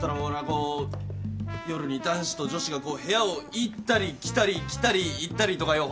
こう夜に男子と女子がこう部屋を行ったり来たり来たり行ったりとかよ